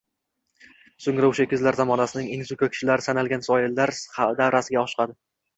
So‘ngra o‘sha kezlar zamonasining eng zukko kishilari sanalgan shoirlar davrasiga oshiqadi